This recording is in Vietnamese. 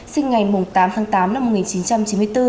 sinh ngày tám tháng tám năm một nghìn chín trăm chín mươi bốn